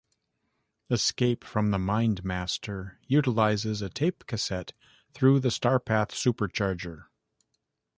"Escape from the MindMaster" utilizes a tape cassette through the Starpath Supercharger.